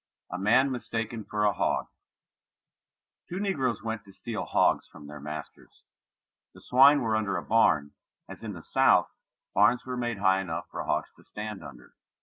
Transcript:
A MAN MISTAKEN FOR A HOG. Two negroes went to steal hogs from their masters. The swine were under a barn, as in the South barns were made high enough for hogs to stand under.